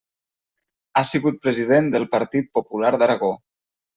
Ha sigut president del Partit Popular d'Aragó.